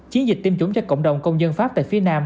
chiến dịch tiêm chủng cho cộng đồng công dân pháp tại phía nam